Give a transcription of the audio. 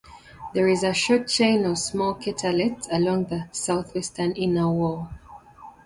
There is a short chain of small craterlets along the southwestern inner wall.